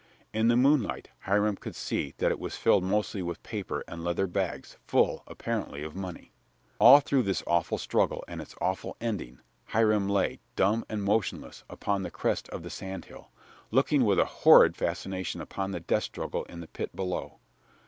In the moonlight Hiram could see that it was filled mostly with paper and leather bags, full, apparently of money. All through this awful struggle and its awful ending Hiram lay, dumb and motionless, upon the crest of the sand hill, looking with a horrid fascination upon the death struggle in the pit below.